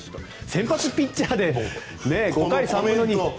先発ピッチャーで５対３なのに。